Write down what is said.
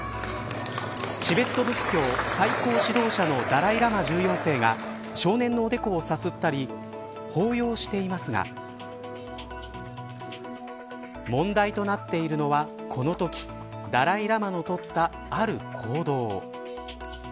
チベット仏教最高指導者のダライ・ラマ１４世が少年のおでこをさすったり抱擁していますが問題となっているのはこのときダライ・ラマの取ったある行動。